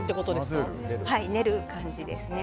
練る感じですね。